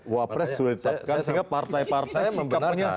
wah pres sudah ditetapkan sehingga partai partai sikapnya